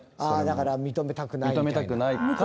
だから認めたくないって。